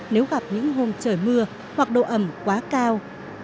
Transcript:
nếu gặp những hôm trời mưa hoặc độ ẩm quá cao